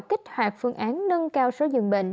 kích hoạt phương án nâng cao số dường bệnh